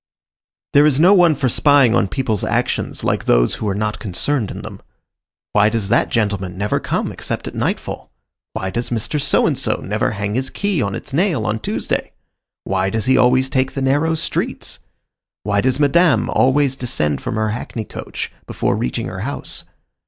There is no one for spying on people's actions like those who are not concerned in them. Why does that gentleman never come except at nightfall? Why does Mr. So and So never hang his key on its nail on Tuesday? Why does he always take the narrow streets? Why does Madame always descend from her hackney coach before reaching her house?